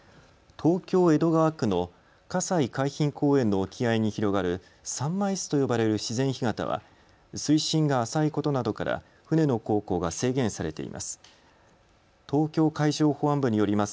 東京江戸川区の葛西海浜公園の沖合に広がる三枚洲と呼ばれる自然干潟は水深が浅いことなどから船の航行が制限されています。